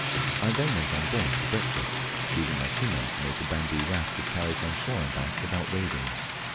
I then went on board to breakfast, leaving my two men to make a bamboo raft to carry us on shore and back without wading.